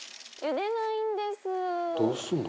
「どうするの？」